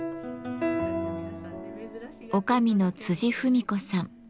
女将の芙美子さん。